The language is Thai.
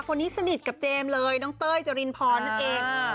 สนิทกับเจมส์เลยน้องเต้ยจรินพรนั่นเอง